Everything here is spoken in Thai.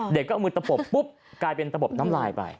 ก็เอามือตะปบปุ๊บกลายเป็นตะปบน้ำลายไป